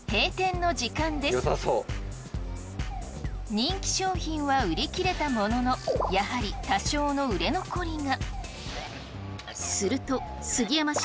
人気商品は売り切れたもののやはり多少の売れ残りが。